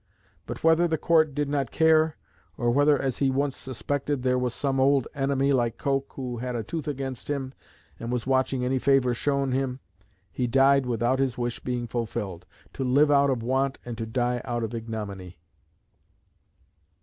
But whether the Court did not care, or whether, as he once suspected, there was some old enemy like Coke, who "had a tooth against him," and was watching any favour shown him, he died without his wish being fulfilled, "to live out of want and to die out of ignominy."